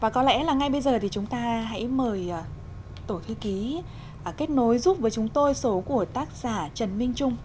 có lẽ là ngay bây giờ thì chúng ta hãy mời tổ thư ký kết nối giúp với chúng tôi số của tác giả trần minh trung